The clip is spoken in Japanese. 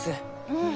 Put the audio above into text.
うん。